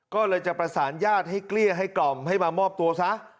ก็เลยจะประสานญาติให้เกลี้ยให้กล่อมให้มามอบตัวซะ